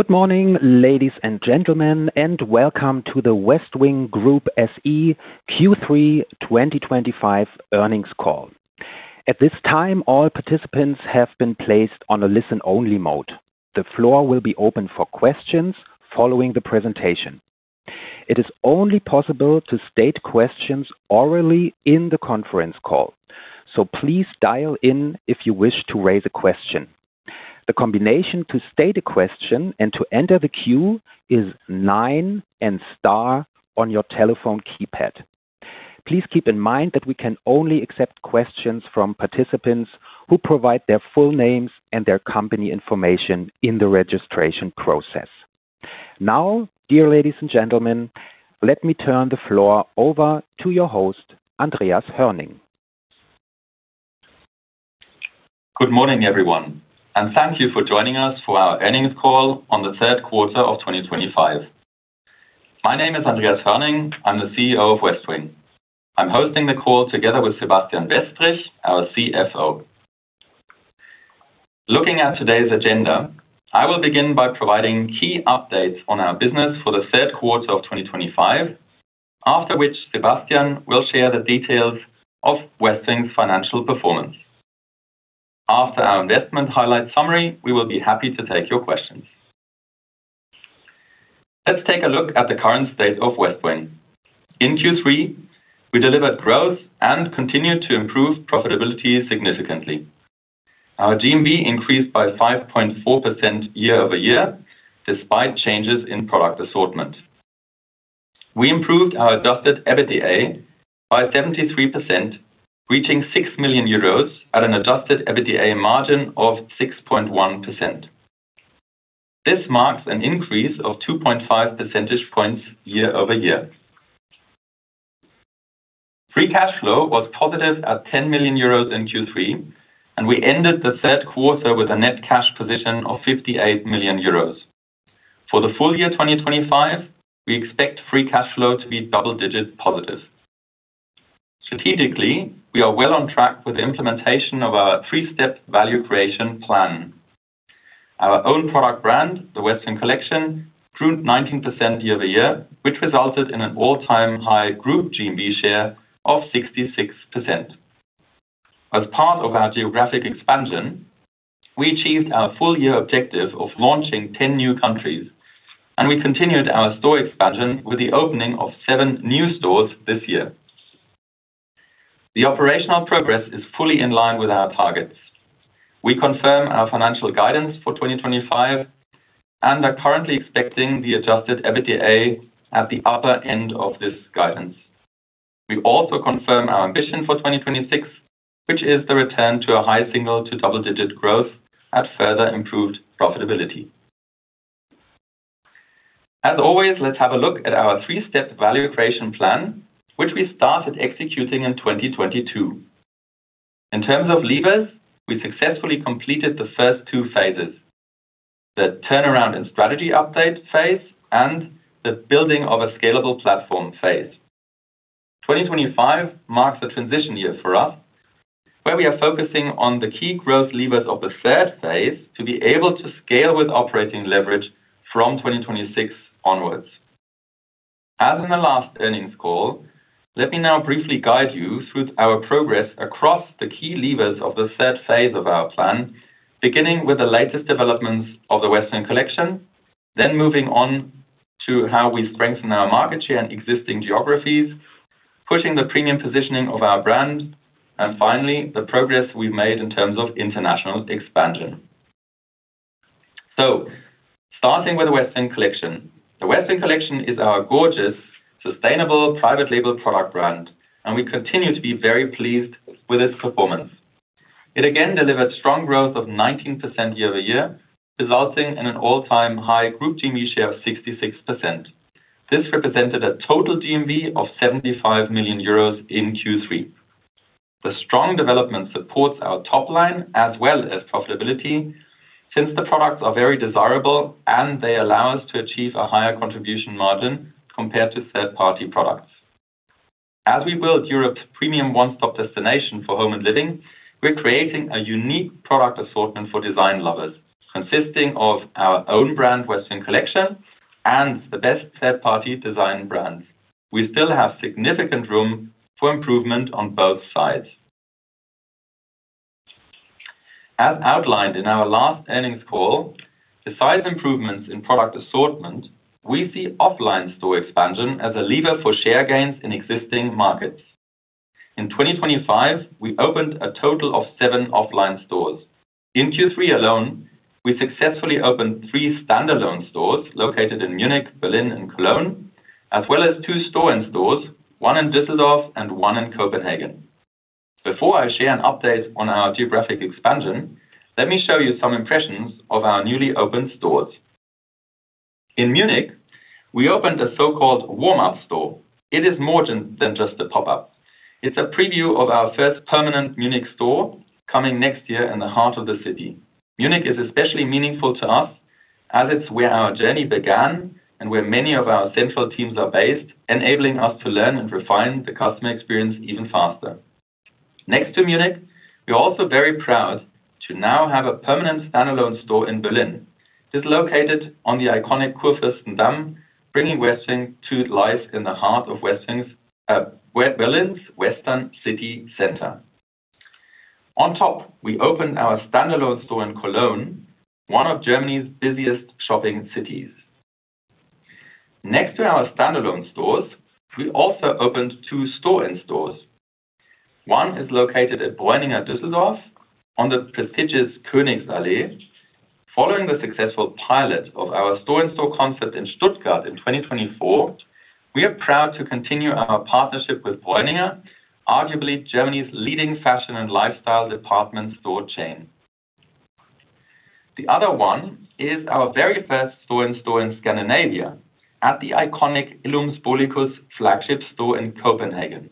Good morning ladies and gentlemen and welcome to the Westwing Group SE Q3 2025 earnings call. At this time, all participants have been placed on a listen only mode. The floor will be open for questions following the presentation. It is only possible to state questions orally in the conference call, so please dial in if you wish to raise a question. The combination to state a question and to enter the queue is nine and star on your telephone keypad. Please keep in mind that we can only accept questions from participants who provide their full names and their company information in the registration process now. Dear ladies and gentlemen, let me turn the floor over to your host, Andreas Hoerning. Good morning everyone and thank you for joining us for our earnings call on the third quarter of 2025. My name is Andreas Hoerning, I'm the CEO of Westwing. I'm hosting the call together with Sebastian Westrich, our CFO. Looking at today's agenda, I will begin by providing key updates on our business for the third quarter of 2025, after which Sebastian will share the details of Westwing's financial performance. After our investment highlight summary, we will be happy to take your questions. Let's take a look at the current state of Westwing. In Q3 we delivered growth and continued to improve profitability significantly. Our GMV increased by 5.4% year-over-year despite changes in product assortment. We improved our adjusted EBITDA by 73% reaching 6 million euros at an adjusted EBITDA margin of 6.1%. This marks an increase of 2.5 percentage points year-over-year. Free cash flow was positive at 10 million euros in Q3 and we ended the third quarter with a net cash position of 58 million euros. For the full year 2025, we expect free cash flow to be double-digit positive. Strategically, we are well on track with the implementation of our three-step value creation plan. Our own product brand, the Westwing Collection, grew 19% year-over-year which resulted in an all-time high group GMV share of 66%. As part of our geographic expansion, we achieved our full-year objective of launching 10 new countries and we continued our store expansion with the opening of seven new stores this year. The operational progress is fully in line with our targets. We confirm our financial guidance for 2025 and are currently expecting the adjusted EBITDA at the upper end of this guidance. We also confirm our ambition for 2026, which is the return to a high single to double-digit growth at further improved profitability. As always, let's have a look at our three-step value creation plan, which we started executing in 2022. In terms of levers, we successfully completed the first two phases, the turnaround and strategy update phase, and the building of a scalable platform phase. 2025 marks a transition year for us where we are focusing on the key growth levers of the third phase to be able to scale with operating leverage from 2026 onwards. As in the last earnings call, let me now briefly guide you through our progress across the key levers of the third phase of our plan, beginning with the latest developments of the Westwing Collection, then moving on to how we strengthen our market share in existing geographies, pushing the premium positioning of our brand and finally the progress we've made in terms of international expansion. Starting with the Westwing Collection, the Westwing Collection is our gorgeous, sustainable private label product brand and we continue to be very pleased with its performance. It again delivered strong growth of 19% year-over-year resulting in an all-time high group GMV share of 66%. This represented a total GMV of 75 million euros in Q3. The strong development supports our top line as well as profitability since the products are very desirable and they allow us to achieve a higher contribution margin compared to third-party products. As we build Europe's premium one-stop destination for home and living, we're creating a unique product assortment for design lovers consisting of our own brand Westwing Collection and the best third-party design brands. We still have significant room for improvement on both sides as outlined in our last earnings call. Besides improvements in product assortment, we see offline store expansion as a lever for share gains in existing markets. In 2025 we opened a total of seven offline stores. In Q3 alone we successfully opened three standalone stores located in Munich, Berlin, and Cologne as well as two store-in-stores, one in Duesseldorf and one in Copenhagen. Before I share an update on our geographic expansion, let me show you some impressions of our newly opened stores. In Munich we opened a so-called [warm-up] store. It is more than just a pop up, it's a preview of our first permanent Munich store coming next year in the heart of the city. Munich is especially meaningful to us as it's where our journey began and where many of our central teams are based, enabling us to learn and refine the customer experience even faster. Next to Munich, we're also very proud to now have a permanent standalone store in Berlin. It is located on the iconic Kurfürstendamm, bringing Westwing to life in the heart of Berlin's western city center. On top, we opened our standalone store in Cologne, one of Germany's busiest shopping cities. Next to our standalone stores. We also opened two store-in-stores. One is located at Breuninger Duesseldorf on the prestigious Königsallee. Following the successful pilot of our store-in-store concept in Stuttgart in 2024, we are proud to continue our partnership with Breuninger, arguably Germany's leading fashion and lifestyle department store chain. The other one is our very first store-in-store in Scandinavia at the iconic Illums Bolighus flagship store in Copenhagen.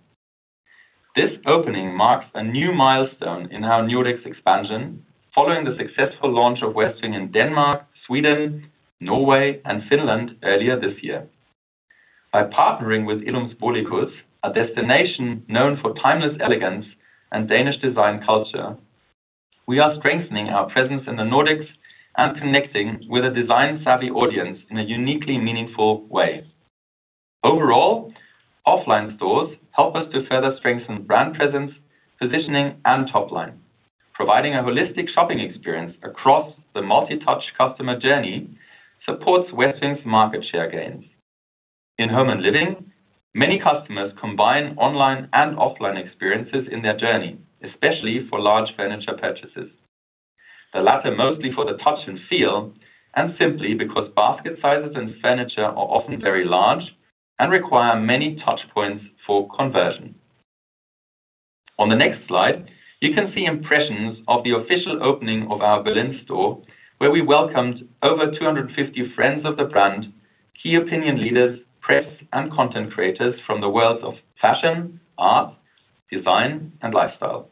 This opening marks a new milestone in our Nordics expansion following the successful launch of Westwing in Denmark, Sweden, Norway, and Finland earlier this year. By partnering with Illums Bolighus, a destination known for timeless elegance and Danish design culture, we are strengthening our presence in the Nordics and connecting with a design-savvy audience in a uniquely meaningful way. Overall, offline stores help us to further strengthen brand presence, positioning, and top line. Providing a holistic shopping experience across the multi-touch customer journey supports Westwing's market share gains in home and living. Many customers combine online and offline experiences in their journey, especially for large furniture purchases, the latter mostly for the touch and feel and simply because basket sizes and furniture are often very large and require many touch points for conversion. On the next slide you can see impressions of the official opening of our Berlin store where we welcomed over 250 friends of the brand, key opinion leaders, press, and content creators from the worlds of fashion, art, design, and lifestyle.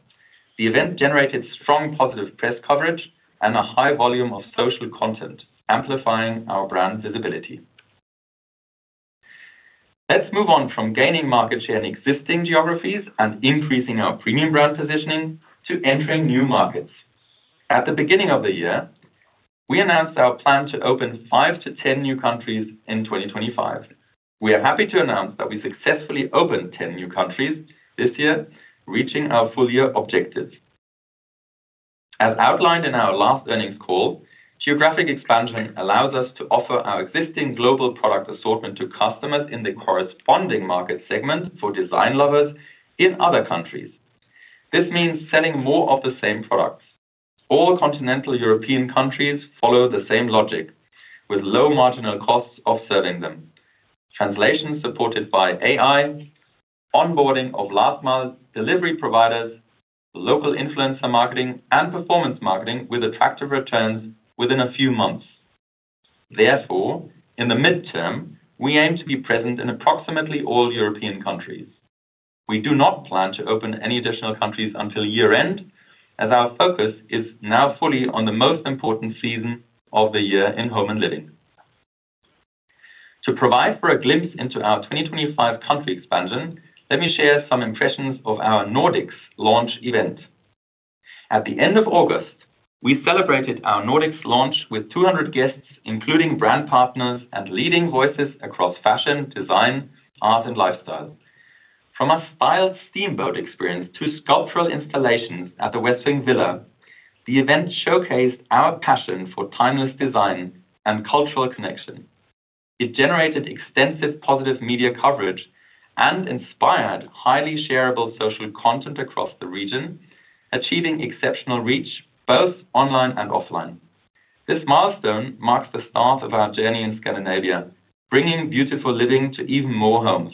The event generated strong positive press coverage and a high volume of social content, amplifying our brand visibility. Let's move on from gaining market share in existing geographies and increasing our premium brand positioning to entering new markets. At the beginning of the year we announced our plan to open 5-10 new countries in 2025. We are happy to announce that we successfully opened 10 new countries this year, reaching our full year objectives as outlined in our last earnings call. Geographic expansion allows us to offer our existing global product assortment to customers in the corresponding market segment. For design lovers in other countries, this means selling more of the same products. All continental European countries follow the same logic with low marginal costs of selling them. Translations supported by AI onboarding of last mile delivery providers, local influencer marketing and performance marketing with attractive returns within a few months. Therefore, in the mid-term we aim to be present in approximately all European countries. We do not plan to open any additional countries until year end as our focus is now fully on the most important season of the year in home and living. To provide for a glimpse into our 2025 country expansion, let me share some impressions of our Nordics launch event at the end of August. We celebrated our Nordics launch with 200 guests, including brand partners and leading voices across fashion, design, art, and lifestyle. From a styled steamboat experience to sculptural installations at the Westwing Villa, the event showcased our passion for timeless design and cultural connection. It generated extensive positive media coverage and inspired highly shareable social content across the region, achieving exceptional reach both online and offline. This milestone marks the start of our journey in Scandinavia, bringing beautiful living to even more homes.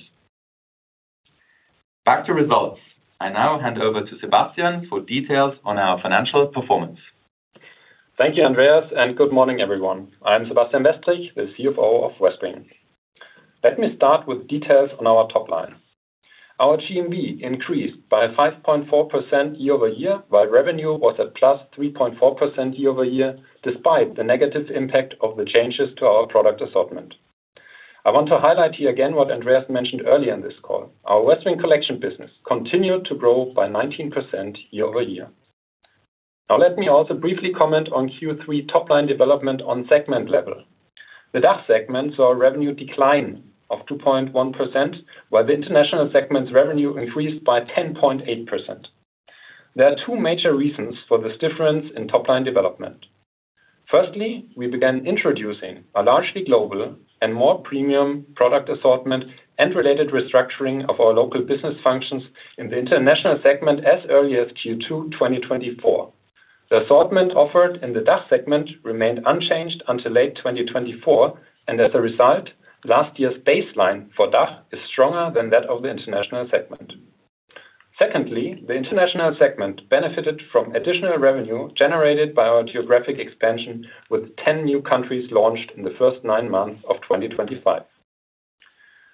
Back to results, I now hand over to Sebastian for details on our financial performance. Thank you Andreas and good morning everyone. I'm Sebastian Westrich, the CFO of Westwing. Let me start with details on our top line. Our GMV increased by 5.4% year-over-year while revenue was at +3.4% year-over-year. Despite the negative impact of the changes to our product assortment, I want to highlight here again what Andreas mentioned earlier in this call. Our Westwing Collection business continued to grow by 19% year-over-year. Now let me also briefly comment on Q3 top line development on segment level. The DACH segment saw a revenue decline of 2.1% while the International segment's revenue increased by 10.8%. There are two major reasons for this difference in top line development. Firstly, we began introducing a largely global and more premium product assortment and related restructuring of our local business functions in the International segment as early as Q2 2024. The assortment offered in the DACH segment remained unchanged until late 2024 and as a result last year's baseline for DACH is stronger than that of the International segment. Secondly, the International segment benefited from additional revenue generated by our geographic expansion with 10 new countries launched in the first nine months of 2025.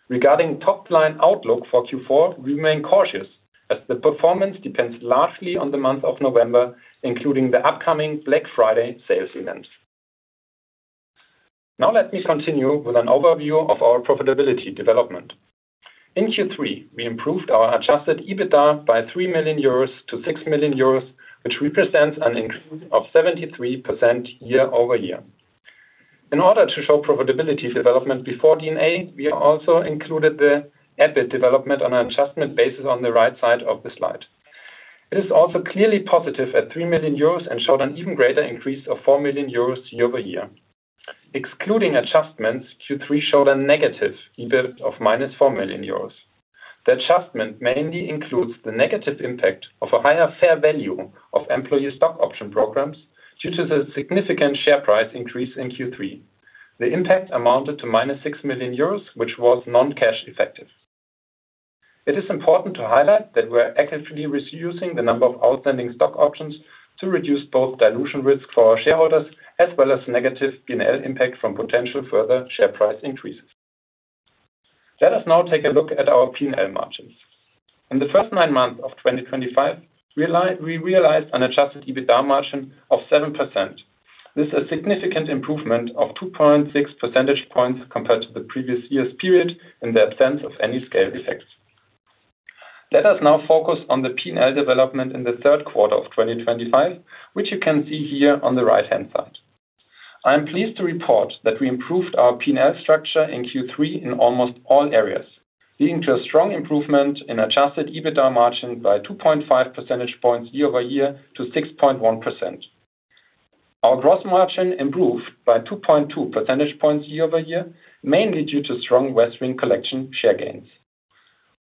Regarding top line outlook for Q4, remain cautious as the performance depends largely on the month of November, including the upcoming Black Friday sales events. Now let me continue with an overview of our profitability development. In Q3 we improved our adjusted EBITDA by 3 million euros to 6 million euros which represents an increase of 73% year-over-year. In order to show profitability development before DNA, we also included the EBIT development on an adjustment basis on the right side of the slide. It is also clearly positive at 3 million euros and showed an even greater increase of 4 million euros year-over-year. Excluding adjustments, Q3 showed a negative EBIT of -4 million euros. The adjustment mainly includes the negative impact of a higher fair value of employee stock option programs due to the significant share price increase in Q3. The impact amounted to -6 million euros, which was non cash effective. It is important to highlight that we are actively reducing the number of outstanding stock options to reduce both dilution risk for our shareholders as well as negative P&L impact from potential further share price increases. Let us now take a look at our P&L margins. In the first nine months of 2025 we realized an adjusted EBITDA margin of 7%. This is a significant improvement of 2.6 percentage points compared to the previous year's period in the absence of any scale effects. Let us now focus on the P&L development in the third quarter of 2025 which you can see here. On the right-hand side. I am pleased to report that we improved our P&L structure in Q3 in almost all areas, leading to a strong improvement in adjusted EBITDA margin by 2.5 percentage points year-over-year to 6.1%. Our gross margin improved by 2.2 percentage points year-over-year, mainly due to strong Westwing Collection share gains.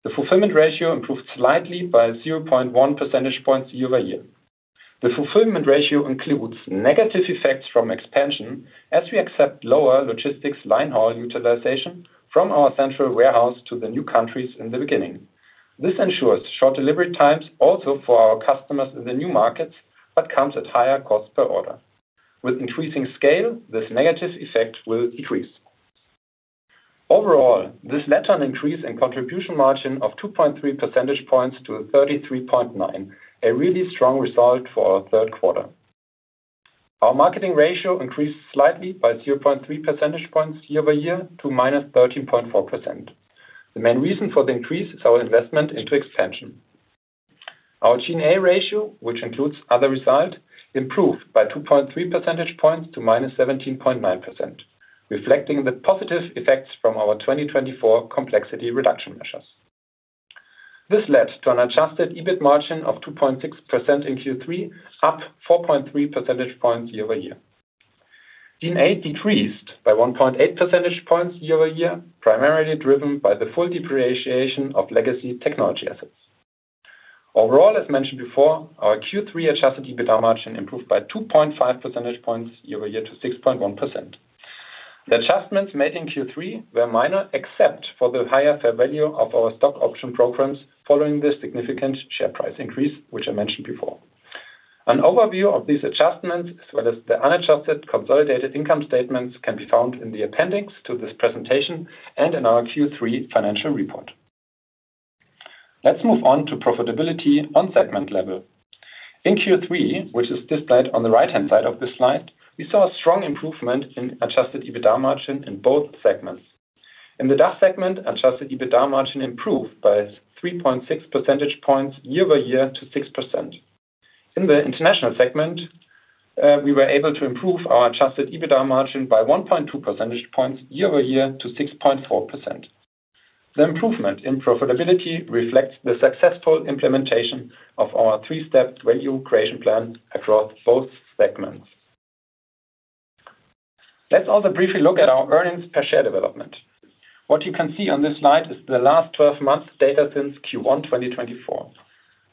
The fulfillment ratio improved slightly by 0.1 percentage points year by year. The fulfillment ratio includes negative effects from expansion as we accept lower logistics line haul utilization from our central warehouse to the new countries in the beginning. This ensures short delivery times also for our customers in the new markets but comes at higher cost per order. With increasing scale, this negative effect will decrease. Overall, this led to an increase in contribution margin of 2.3 percentage points to 33.9%, a really strong result for our third quarter. Our marketing ratio increased slightly by 0.3 percentage points year-over-year to -13.4%. The main reason for the increase is our investment into expansion. Our G&A ratio, which includes other result, improved by 2.3 percentage points to -17.9%, reflecting the positive effects from our 2024 complexity reduction measures. This led to an adjusted EBIT margin of 2.6% in Q3, up 4.3 percentage points year-over-year. G&A decreased by 1.8 percentage points year-over-year, primarily driven by the full depreciation of legacy technology assets. Overall, as mentioned before, our Q3 adjusted EBITDA margin improved by 2.5 percentage points year-over-year to 6.1%. The adjustments made in Q3 were minor except for the higher fair value of our stock option programs following the significant share price increase which I mentioned before. An overview of these adjustments as well as the unadjusted consolidated income statements can be found in the appendix to this presentation and in our Q3 financial report. Let's move on to profitability on segment level in Q3, which is displayed on the right hand side of this slide. We saw a strong improvement in adjusted EBITDA margin in both segments. In the DACH segment, adjusted EBITDA margin improved by 3.6 percentage points year-over-year to 6%. In the International segment, we were able to improve our adjusted EBITDA margin by 1.2 percentage points year-over-year to 6.4%. The improvement in profitability reflects the successful implementation of our three step value creation plan across both segments. Let's also briefly look at our earnings per share development. What you can see on this slide. Is the last 12 months data since Q1 2024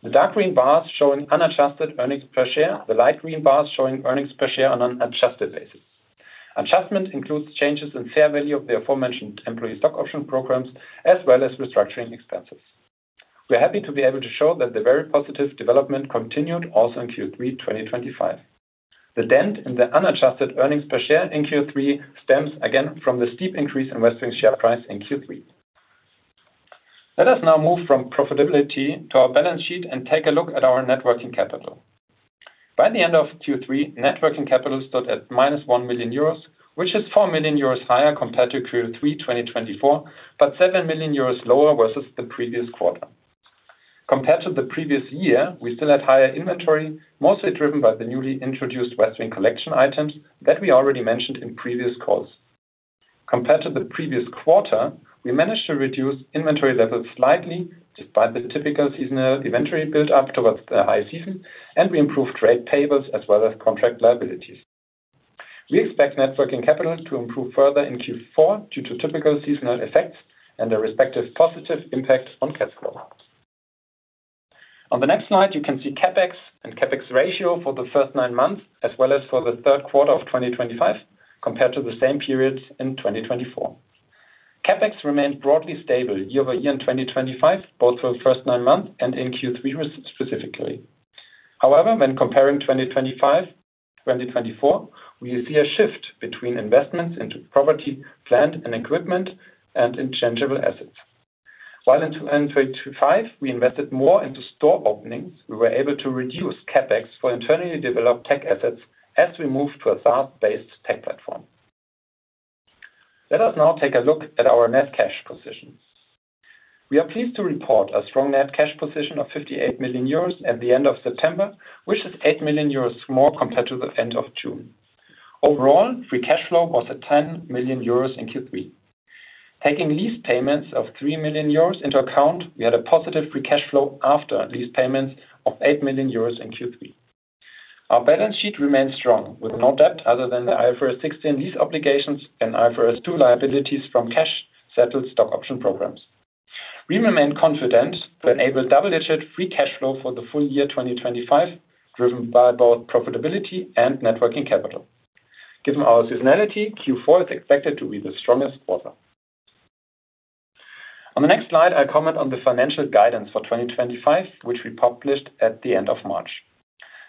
the dark green bars showing unadjusted earnings per share. The light green bars showing earnings per share on an adjusted basis. Adjustment includes changes in fair value of the aforementioned employee stock option programs as well as restructuring expenses. We're happy to be able to show that the very positive development continued also in Q3. 2025 the dent in the unadjusted earnings per share in Q3 stems again from the steep increase in Westwing share price in Q3. Let us now move from profitability to our balance sheet and take a look at our net working capital. By the end of Q3 net working capital stood at -1 million euros which is 4 million euros higher compared to Q3 2024 but 7 million euros lower versus the previous quarter. Compared to the previous year we still had higher inventory, mostly driven by the newly introduced Westwing Collection items that we already mentioned in previous calls. Compared to the previous quarter, we managed to reduce inventory levels slightly despite the typical seasonal eventual build up towards the high season, and we improved trade tables as well as contract liabilities. We expect net working capital to improve further in Q4 due to typical seasonal effects and the respective positive impact on cash flow. On the next slide you can see CapEx and CapEx ratio for the first nine months as well as for the third quarter of 2025 compared to the same period in 2024. Capex remained broadly stable year-over-year. In 2025 both for the first nine months and in Q3 specifically. However, when comparing 2025, 2024 we see a shift between investments into property, plant and equipment and intangible assets. While in 2025 we invested more into store openings. We were able to reduce CapEx for internally developed tech assets as we move to a SaaS-based tech platform. Let us now take a look at our net cash position. We are pleased to report a strong net cash position of 58 million euros at the end of September, which is 8 million euros more compared to the end of June. Overall free cash flow was at 10 million euros in Q3. Taking lease payments of 3 million euros into account, we had a positive free cash flow after lease payments of 8 million euros in Q3. Our balance sheet remains strong with no debt other than the IFRS 16 lease obligations and IFRS 2 liabilities from cash settled stock option programs. We remain confident to enable double-digit free cash flow for the full year 2025 driven by both profitability and net working capital. Given our seasonality, Q4 is expected to be the strongest quarter. On the next slide, I comment on the financial guidance for 2025 which we published at the end of March.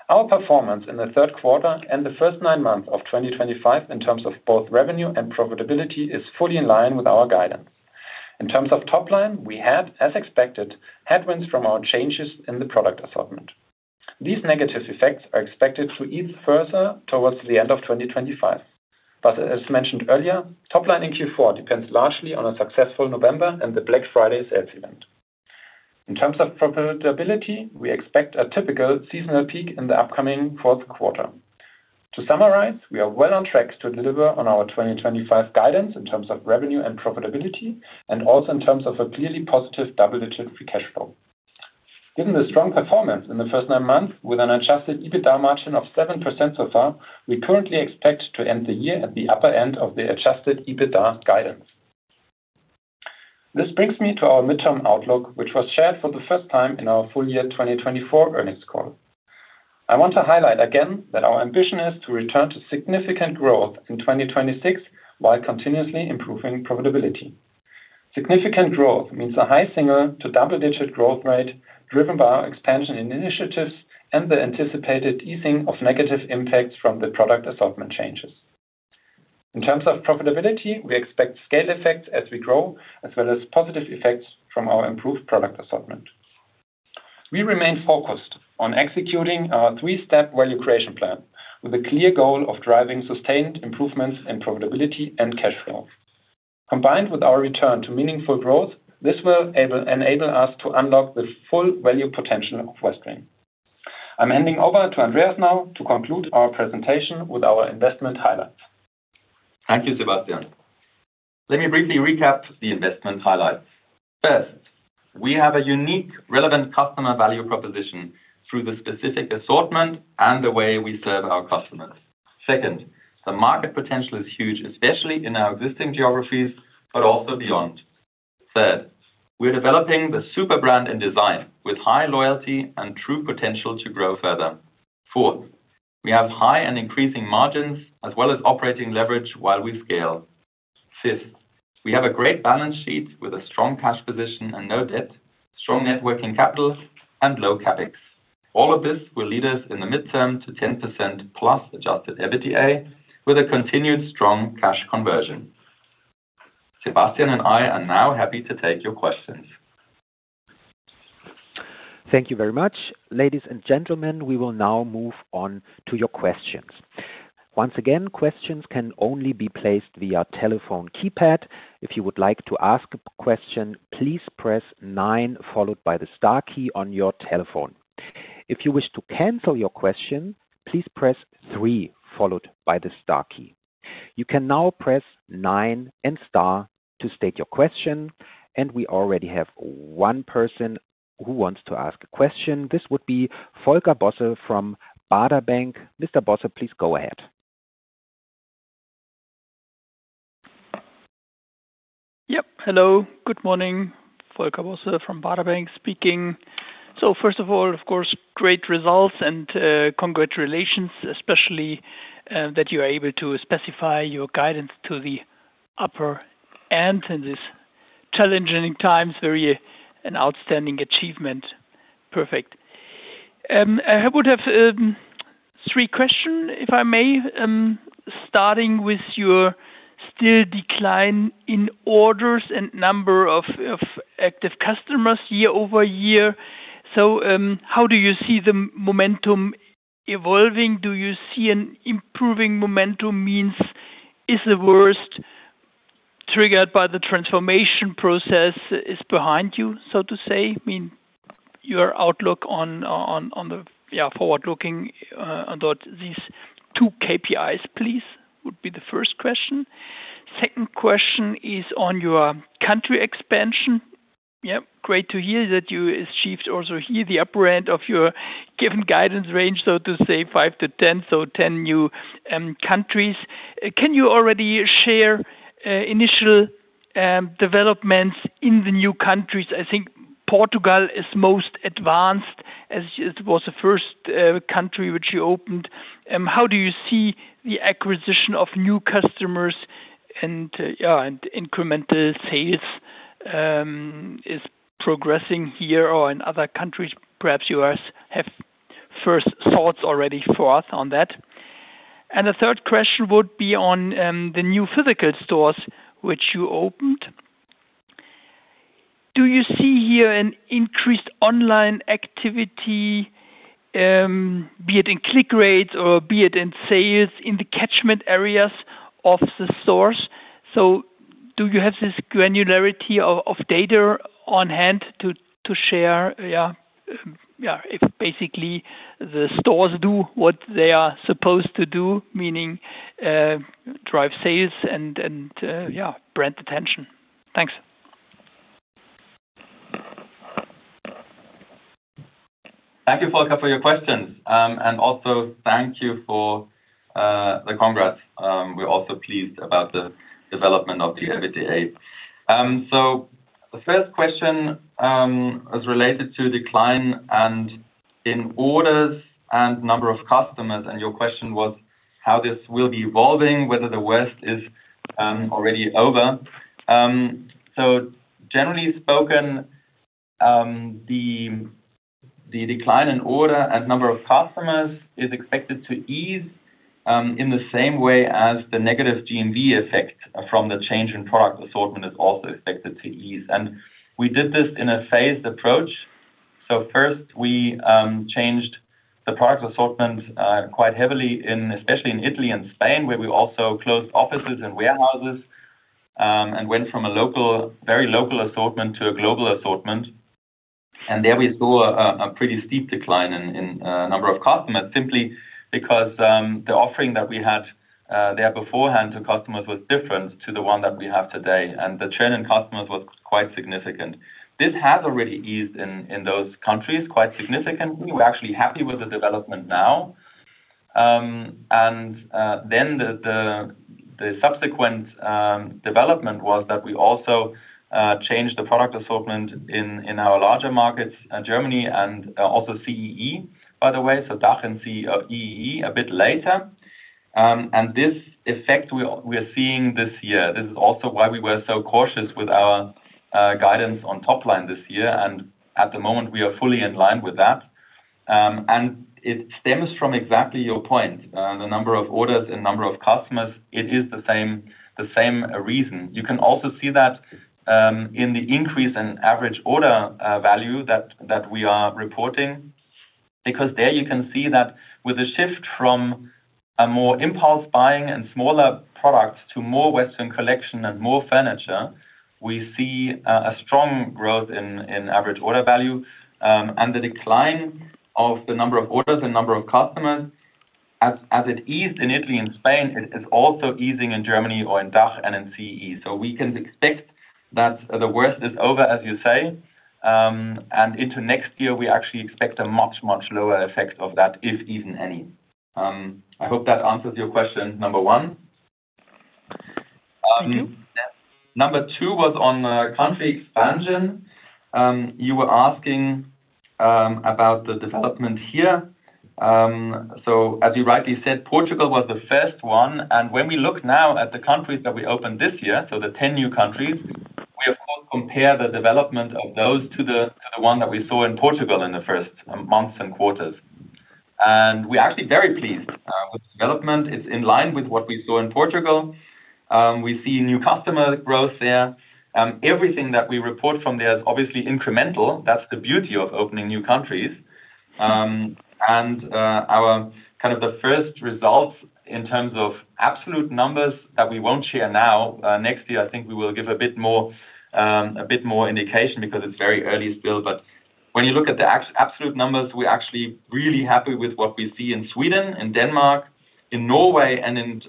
Our performance in the third quarter and the first nine months of 2025 in terms of both revenue and profitability is fully in line with our guidance. In terms of top line, we had as expected headwinds from our changes in the product assortment. These negative effects are expected to ease further towards the end of 2025, but as mentioned earlier, top line in Q4 depends largely on a successful November and the Black Friday sales event. In terms of profitability, we expect a typical seasonal peak in the upcoming fourth quarter. To summarize, we are well on track to deliver on our 2025 guidance in terms of revenue and profitability and also in terms of a clearly positive double-digit free cash flow, given the strong performance in the first nine months. With an adjusted EBITDA margin of 7% so far, we currently expect to end the year at the upper end of the adjusted EBITDA guidance. This brings me to our midterm outlook which was shared for the first time in our full year 2024 earnings call. I want to highlight again that our. Ambition is to return to significant growth in 2026 while continuously improving profitability. Significant growth means a high single to double-digit growth rate driven by our expansion in initiatives and the anticipated easing of negative impacts from the product assortment changes. In terms of profitability, we expect scale effects as we grow as well as positive effects from our improved product assortment. We remain focused on executing our three-step value creation plan with the clear goal of driving sustained improvements in profitability and cash flow. Combined with our return to meaningful growth, this will enable us to unlock the full value potential of Westwing. I'm handing over to Andreas now to conclude our presentation with our investment highlights. Thank you, Sebastian. Let me briefly recap the investment highlights. First, we have a unique, relevant customer value proposition through the specific assortment and the way we serve our customers. Second, the market potential is huge, especially in our existing geographies but also beyond. Third, we're developing the super brand in design with high loyalty and true potential to grow further. Fourth, we have high and increasing margins as well as operating leverage while we scale. Fifth, we have a great balance sheet with a strong cash position and no debt, strong net working capital and low Capex. All of this will lead us in the mid-term to 10%+ adjusted EBITDA with a continued strong cash conversion. Sebastian and I are now happy to take your questions. Thank you very much ladies and gentlemen. We will now move on to your questions. Once again, questions can only be placed via telephone keypad. If you would like to ask a question, please press nine followed by the star key on your telephone. If you wish to cancel your question, please press three followed by the star key. You can now press nine and star to state your question. We already have one person who wants to ask a question. This would be Volker Bosse from Baader Bank. Mr. Bosse, please go ahead. Yep. Hello, good morning, Volker Bosse from Baader Bank speaking. First of all, of course, great results and congratulations, especially that you are able to specify your guidance to the upper end in these challenging times. Very an outstanding achievement. Perfect. I would have three questions if I may, starting with your still decline in orders and number of active customers year-over-year. How do you see the momentum evolving? Do you see an improving momentum, means is the worst triggered by the transformation process behind you, so to say? I mean, your outlook on the forward looking these two KPIs please would be the first question. Second question is on your country expansion. Yeah, great to hear that you achieved also here the upper end of your given guidance range, so to say, 5-10. So 10 new countries. Can you already share initial developments in the new countries? I think Portugal is most advanced as it was the first country which you opened. How do you see the acquisition of new customers and incremental sales is progressing here or in other countries? Perhaps you have first thoughts already forth on that. The third question would be on the new physical stores which you opened. Do you see here an increased online activity, be it in click rates or be it in sales in the catchment areas of the stores? Do you have this granularity of data on hand to share if basically the stores do what they are supposed to do, meaning drive sales and brand attention? Thanks. Thank you, Volker, for your questions and also thank you for the congress. We're also pleased about the development of the, so the first question is related to decline in orders and number of customers. Your question was how this will be evolving, whether the worst is already over. Generally spoken, the decline in orders and number of customers is expected to ease in the same way as the negative GMV effect from the change in product assortment is also expected to ease. We did this in a phased approach. First, we changed the product assortment quite heavily, especially in Italy and Spain, where we also closed offices and warehouses and went from a very local assortment to a global assortment. We saw a pretty steep decline in number of customers simply because the offering that we had there beforehand to customers was different to the one that we have today. The churn in customers was quite significant. This has already eased in those countries quite significantly. We're actually happy with the development now. The subsequent development was that we also changed the product assortment in our larger markets, Germany and also CEE, by the way, so DACH and CEE a bit later. This effect we are seeing this year. This is also why we were so cautious with our guidance on top line this year. At the moment we are fully in line with that. It stems from exactly your point. The number of orders and number of customers. It is the same reason. You can also see that in the increase in average order value that we are reporting. Because there you can see that with the shift from a more impulse buying and smaller buying products to more Westwing Collection and more furniture, we see a strong growth in average order value and the decline of the number of orders and number of customers. As it eased in Italy and Spain, it is also easing in Germany or in DACH and in CE. So we can expect that the worst is over, as you say, and into next year. We actually expect a much, much lower. Effect of that, if even any. I hope that answers your question, number one. Number two was on country expansion. You were asking about the development here. As you rightly said, Portugal was the first one. When we look now at the countries that we opened this year, the 10 new countries, we compare the development of those to the one that we saw in Portugal in the first months and quarters, and we're actually very pleased with development. It's in line with what we saw in Portugal. We see new customer growth there. Everything that we report from there is obviously incremental. That's the beauty of opening new countries, and our kind of the first results in terms of absolute numbers that we won't share now. Next year I think we will give a bit more indication because it's very early still. When you look at the absolute numbers, we're actually really happy with what we see in Sweden and Denmark, in Norway and in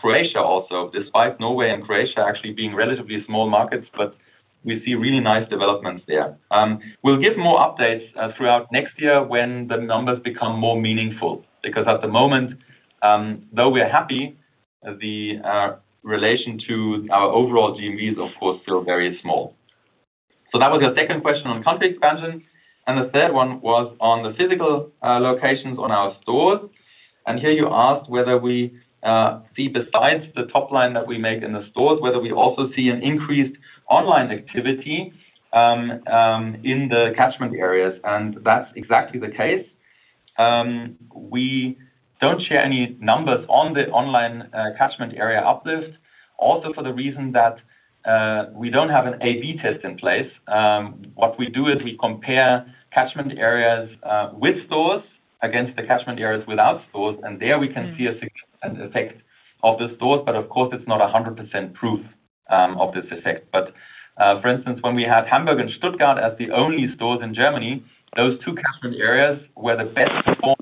Croatia also, despite Norway and Croatia actually being relatively small markets. We see really nice developments there. We'll give more updates throughout next year when the numbers become more meaningful, because at the moment, though we're happy, the relation to our overall GMV is of course still very small. That was your second question on country expansion and the third one was on the physical locations on our stores. Here you asked whether we see, besides the top line that we make in the stores, whether we also see an increased online activity in the catchment areas. That's exactly the case. We don't share any numbers on the online catchment area uplift. Also, for the reason that we do not have an [A/B] test in place, what we do is we compare catchment areas with stores against the catchment areas without stores, and there we can see an effect of the stores. Of course, it is not 100% proof of this effect. For instance, when we had Hamburg and Stuttgart as the only stores in Germany, those two catchment areas were the best performed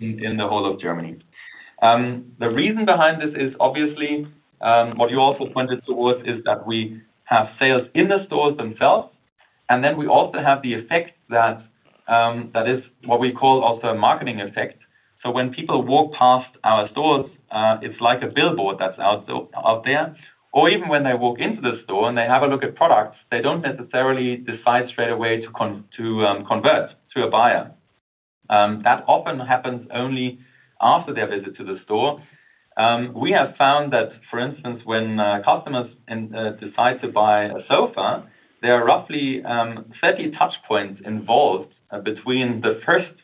in the whole of Germany. The reason behind this is obviously what you also pointed towards is that we have sales in the stores themselves and then we also have the effect that is what we call also a marketing effect. When people walk past our stores, it is like a billboard that is out there. Or even when they walk into the store and they have a look at products, they do not necessarily decide straight away to convert to a buyer. That often happens only after their visit to the store. We have found that, for instance, when customers decide to buy a sofa, there are roughly 30 touch points involved between the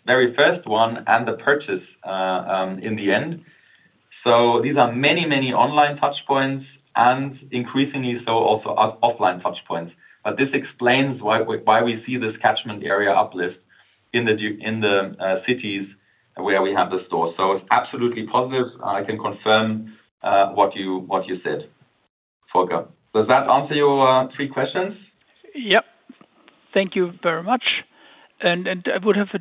very first one and the purchase in the end. These are many, many online touch points and increasingly also offline touch points. This explains why we see this catchment area uplift in the cities where we have the store. It is absolutely positive. I can confirm what you said, Volker. Does that answer your three questions? Yep. Thank you very much. I would have a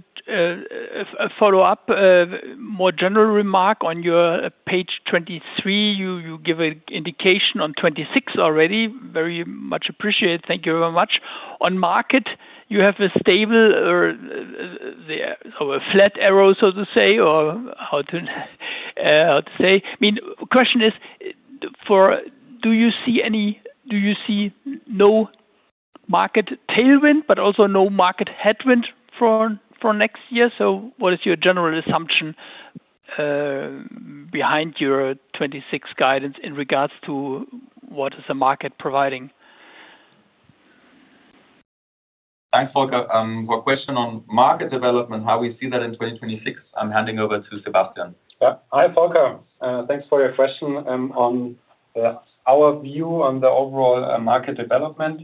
follow up, more general remark on your page 23. You give an indication on 2026 already. Very much appreciated. Thank you very much. On market you have a stable or the flat arrow, so to say, or how to say, I mean, question is for, do you see any. Do you see no market tailwind, but also no market headwind for next year? What is your general assumption? Behind your 2026 guidance in regards to what is the market providing. Thanks, Volker. One question on market development, how we see that in 2026? I'm handing over to Sebastian. Hi Volker, thanks for your question. On our view on the overall market development,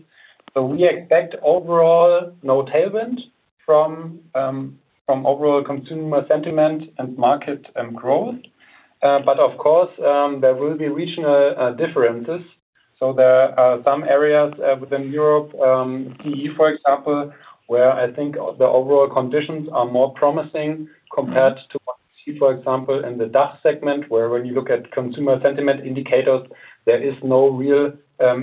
we expect overall no tailwind from overall consumer sentiment and market growth. Of course there will be regional differences. There are some areas within Europe, for example, where I think the overall conditions are more promising compared to what we see, for example, in the DACH segment where when you look at consumer sentiment indicators there is no real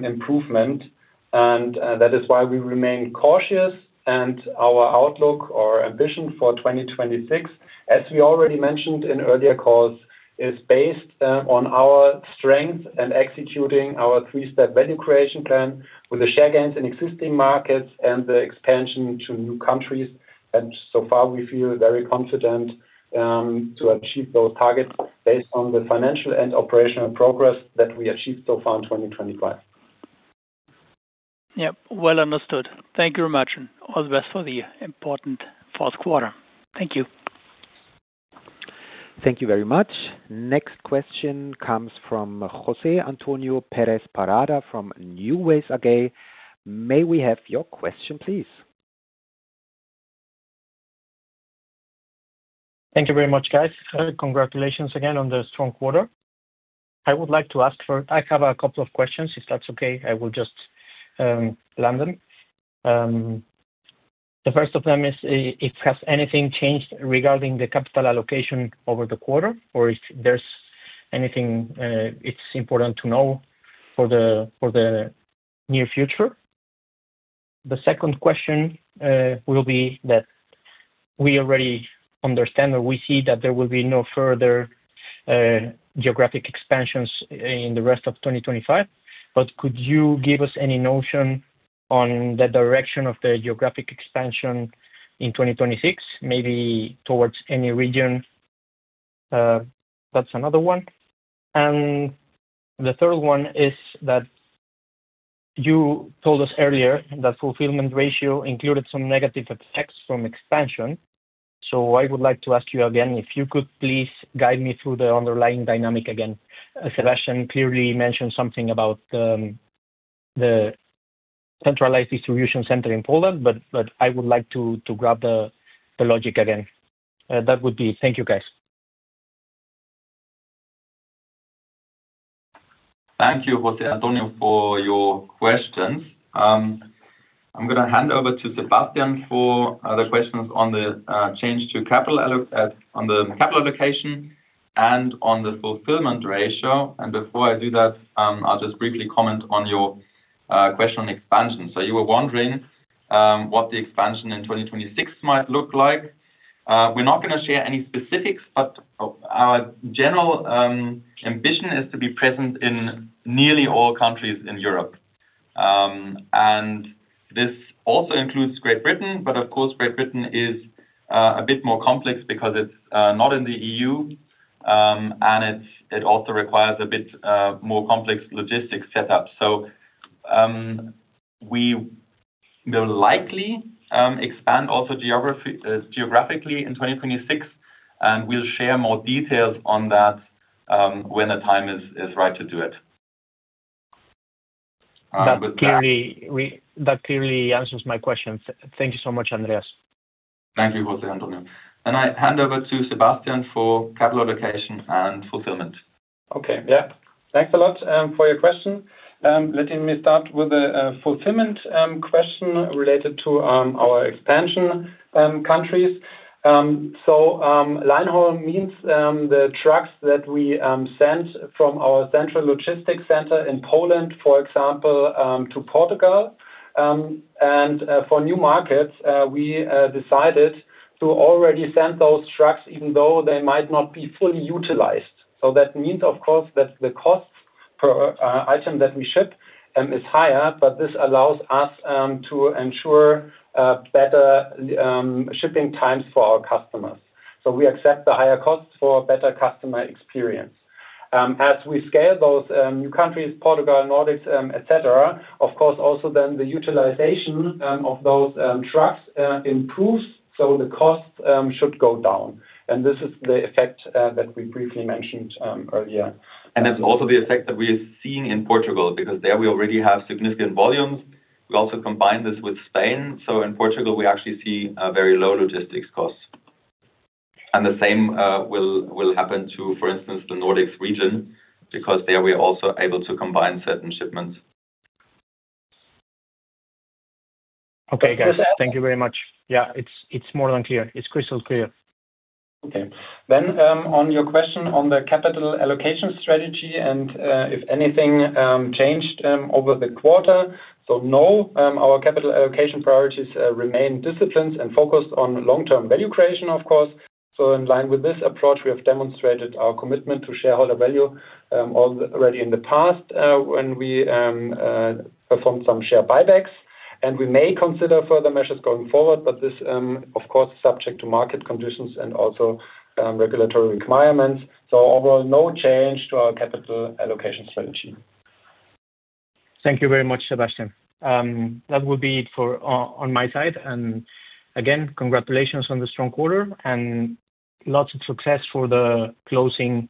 improvement. That is why we remain cautious. Our outlook or ambition for 2026, as we already mentioned in earlier calls, is based on our strength in executing our three step value creation plan with the share gains in existing markets and the expansion to new countries. So far we feel very confident to achieve those targets based on the financial and operational progress that we achieved so far in 2025. Yep, well understood. Thank you very much. All the best for the important fourth quarter. Thank you. Thank you very much. Next question comes from José Antonio Pérez Parada from NuWays AG. May we have your question please? Thank you very much. Guys, congratulations again on the strong quarter. I would like to ask for, I have a couple of questions if that's okay. I will just London. The first of them is if has anything changed regarding the capital allocation over the quarter or if there's anything it's important to know for the near future. The second question will be that we already understand or we see that there will be no further geographic expansions in the rest of 2025. Could you give us any notion on the direction of the geographic expansion in 2026, maybe towards any region? That's another one. The third one is that you told us earlier that fulfillment ratio included some negative effects from expansion. I would like to ask you again if you could please guide me through the underlying dynamic. Again, Sebastian clearly mentioned something about the centralized distribution center in Poland, but I would like to grab the logic again. That would be. Thank you, guys. Thank you, José Antonio, for your questions. I'm going to hand over to Sebastian for the questions on the change to capital, on the capital allocation and on the fulfillment ratio. Before I do that, I'll just briefly comment on your question on expansion. You were wondering what the expansion in 2026 might look like? We're not going to share any specifics, but our general ambition is to be present in nearly all countries in Europe and this also includes Great Britain. Of course, Great Britain is a bit more complex because it's not in the E.U. and it also requires a bit more complex logistics setup. We will likely expand also geographically in 2026 and we'll share more details on that when the time is right to do it. That clearly answers my question. Thank you so much, Andreas. Thank you, José Antonio. I hand over to Sebastian for capital allocation and fulfillment. Okay, yeah, thanks a lot for your question. Let me start with a fulfillment question related to our expansion countries. Linehaul means the trucks that we send from our central logistics center in Poland, for example, to Portugal, and for new markets we decided to already send those trucks even though they might not be fully utilized. That means of course that the cost per item that we ship is higher. This allows us to ensure better shipping times for our customers. We accept the higher costs for better customer experience as we scale those new countries, Portugal, Nordics, et cetera. Of course, also then the utilization of those trucks improves, so the cost should go down. This is the effect that we briefly mentioned earlier. That is also the effect that we are seeing in Portugal because there we already have significant volumes. We also combine this with Spain. In Portugal we actually see very low logistics costs and the same will happen to, for instance, the Nordics region because there we are also able to combine certain shipments. Okay guys, thank you very much. Yeah, it's more than clear. It's crystal clear. Okay, then, on your question on the capital allocation strategy and if anything changed over the quarter, no, our capital allocation priorities remain disciplined and focused on long term value creation, of course. In line with this approach, we have demonstrated our commitment to shareholder value already in the past when we performed some share buybacks and we may consider further measures going forward. This, of course, is subject to market conditions and also regulatory requirements. Overall, no change to our capital allocation strategy. Thank you very much, Sebastian. That will be all on my side. Again, congratulations on the strong quarter and lots of success for the closing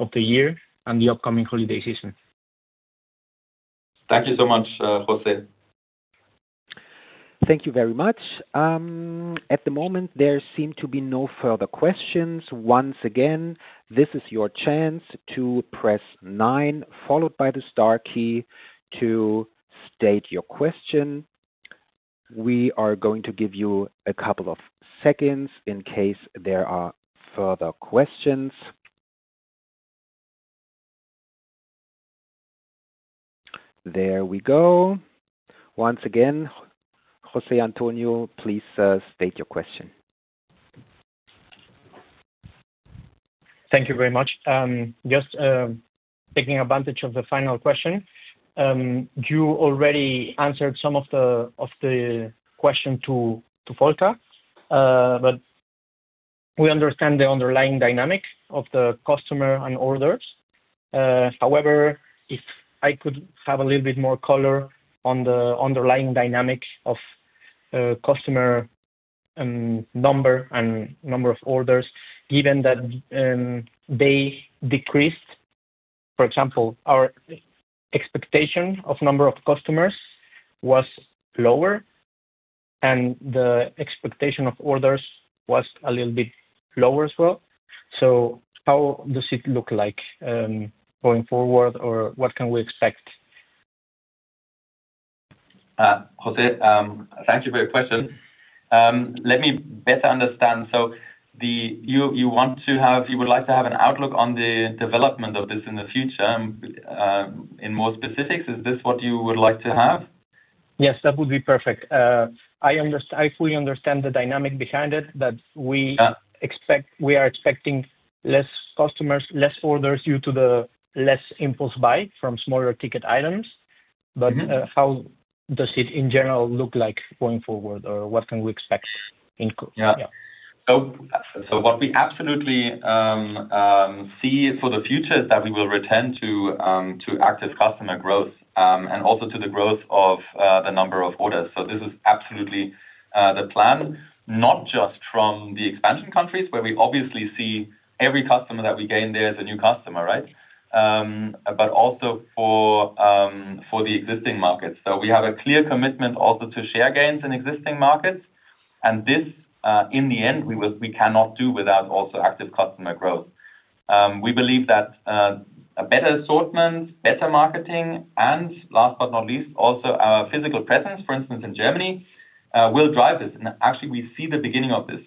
of the year and the upcoming holiday season. Thank you so much, José. Thank you very much. At the moment there seem to be no further questions. Once again, this is your chance to press nine followed by the star key to state your question. We are going to give you a couple of seconds in case there are further questions. There we go. Once again, José Antonio, please state your question. Thank you very much. Just taking advantage of the final question. You already answered some of the question to Volker, but we understand the underlying dynamic of the customer and orders. However, if I could have a little bit more color on the underlying dynamic of customer number and number of orders, given that they decreased, for example, our expectation of number of customers was lower and the expectation of orders was a little bit lower as well. How does it look like going forward or what can we expect? Thank you for your question. Let me better understand. You would like to have an outlook on the development of this in the future. In more specifics, is this what you would like to have? Yes, that would be perfect. I understand, I fully understand the dynamic behind it that we expect. We are expecting less customers, less orders due to the less impulse buy from smaller ticket items. How does it in general look like going forward or what can we expect? What we absolutely see for the future is that we will return to active customer growth and also to the growth of the number of orders. This is absolutely the plan, not just from the expansion countries where we obviously see every customer that we gain there is a new customer. Right. Also for the existing markets, we have a clear commitment to share gains in existing markets. This in the end we cannot do without active customer growth. We believe that a better assortment, better marketing, and last but not least, also our physical presence, for instance in Germany, will drive this. Actually, we see the beginning of this.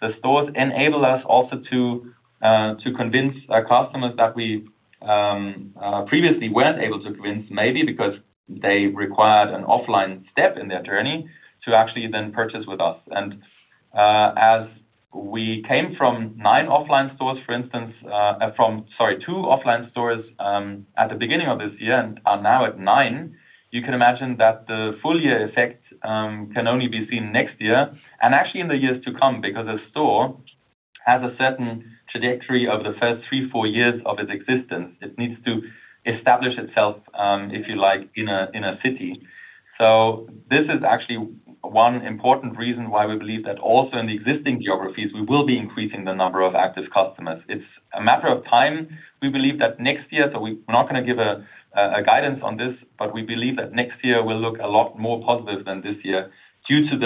The stores enable us to convince customers that we previously were not able to convince, maybe because they required an offline step in their journey to actually then purchase with us. As we came from two offline stores at the beginning of this year and are now at nine, you can imagine that the full year effect can only be seen next year and actually in the years to come because a store has a certain trajectory over the first three, four years of its existence. It needs to establish itself, if you like, in a city. This is actually one important reason why we believe that also in the existing geographies, we will be increasing the number of active customers. It's a matter of time. We believe that next year, so we're not going to give a guidance on this, but we believe that next year will look a lot more positive than this year due to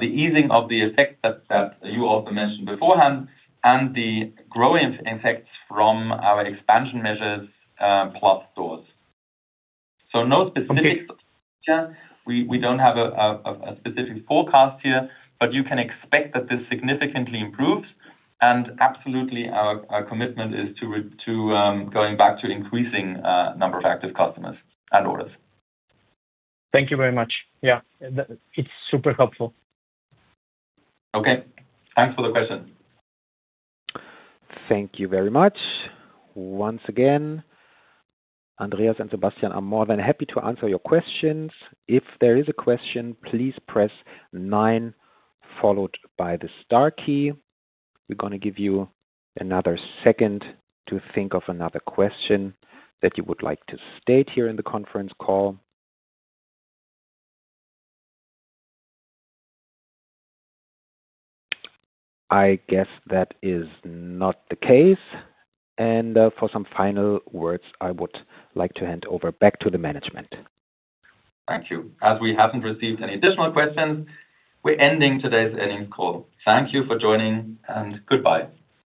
the easing of the effect that you also mentioned beforehand and the growing effects from our expansion measure plot stores. No specific, we don't have a specific forecast here, but you can expect that this significantly improves and absolutely our commitment is to going back to increasing number of active customers and orders. Thank you very much. Yeah, it's super helpful. Okay, thanks for the question. Thank you very much. Once again, Andreas and Sebastian are more than happy to answer your questions. If there is a question, please press nine followed by the star key. We're going to give you another second to think of another question that you would like to state here in the conference call. I guess that is not the case. For some final words, I would like to hand over back to the management. Thank you. As we have not received any additional questions, we are ending today's earnings call. Thank you for joining and goodbye.